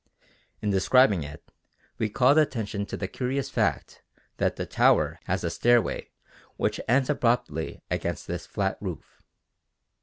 In describing it, we called attention to the curious fact that the tower has a stairway which ends abruptly against this flat roof.